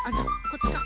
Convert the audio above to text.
こっちか。